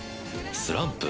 スランプ？